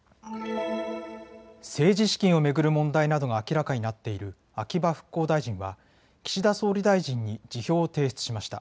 政治資金を巡る問題などが明らかになっている秋葉復興大臣は岸田総理大臣に辞表を提出しました。